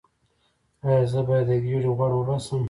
ایا زه باید د ګیډې غوړ وباسم؟